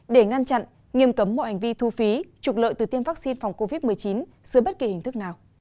để ngăn chặn nghiêm cấm mọi hành vi thu phí trục lợi từ tiêm vaccine phòng covid một mươi chín dưới bất kỳ hình thức nào